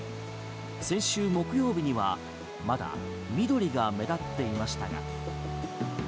先週木曜日にはまだ緑が目立っていましたが。